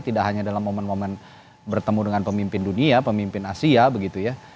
tidak hanya dalam momen momen bertemu dengan pemimpin dunia pemimpin asia begitu ya